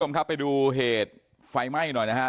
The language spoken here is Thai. ทุกคนค่ะไปดูเหตุไฟไม่หน่อยนะฮะ